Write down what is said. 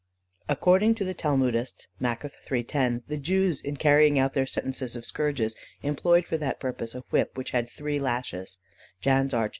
"According to the Talmudists (Maccoth iii. 10), the Jews, in carrying out their sentences of scourges, employed for that purpose a whip which had three lashes (Jahn's Arch.